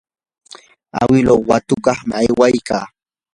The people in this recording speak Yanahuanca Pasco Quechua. awiluu watukuqmi aywaykaa.